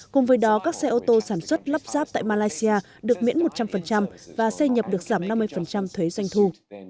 cùng với đó các xe ô tô sản xuất lắp ráp tại malaysia được miễn một trăm linh và xe nhập được giảm năm mươi thuế doanh thu